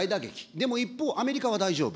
でも一方、アメリカは大丈夫。